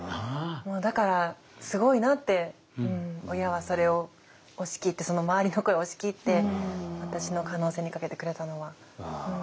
だからすごいなって親はそれを押し切って周りの声を押し切って私の可能性にかけてくれたのは。